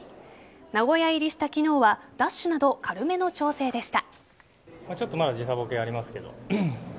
名古屋入りした昨日はダッシュなど軽めの調整でした。